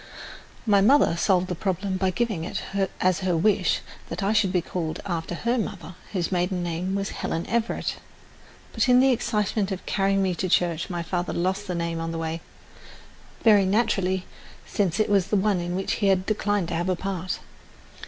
My mother solved the problem by giving it as her wish that I should be called after her mother, whose maiden name was Helen Everett. But in the excitement of carrying me to church my father lost the name on the way, very naturally, since it was one in which he had declined to have a part.